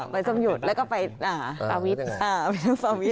ไปส้มหยุดแล้วก็ไปฟาวิท